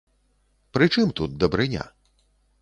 Пры чым тут дабрыня?